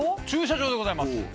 駐車場でございます。